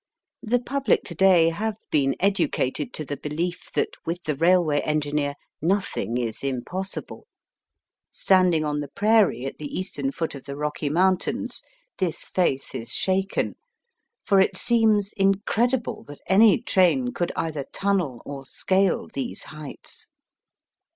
The public to day have been educated to the belief that with the railway engineer nothing is impossible. Standing on the prairie at the Digitized by VjOOQIC 76 EAST BY WEST. eastern foot of the Kooky Mountains, this faith is shaken, for it seems incredible that any train could either tunnel or scale these heights.